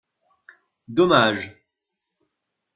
Dommage